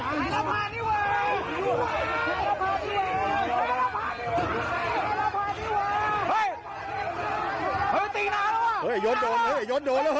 เฮ้ยไอ้ตีน่ะแล้ววะเอ้ยย้นโดนเฮ้ยย้นโดนแล้วเห้ย